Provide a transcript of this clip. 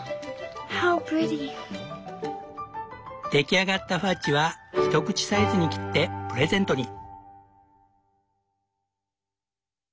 出来上がったファッジは一口サイズに切ってプレゼントに。